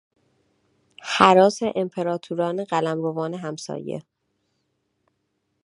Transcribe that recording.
هراس امپراتوران قلمروان همسایه